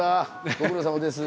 ご苦労さまです。